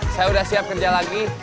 saya sudah siap kerja lagi